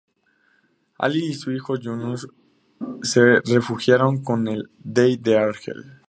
Ali y su hijo Yunus se refugiaron con el dey de Argel.